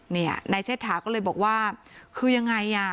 นายเชษฐาก็เลยบอกว่าคือยังไงอ่ะ